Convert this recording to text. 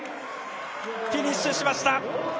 フィニッシュしました。